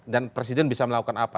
dan presiden bisa melakukan apa